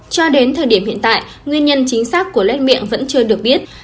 cho đến thời điểm hiện tại nguyên nhân chính xác của led miệng vẫn chưa được biết